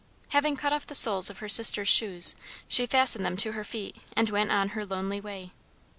Having cut off the soles of her sister's shoes, she fastened them to her feet, and went on her lonely way.